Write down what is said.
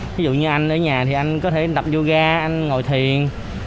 ví dụ như anh ở nhà thì anh có thể đập yoga anh ngồi thiền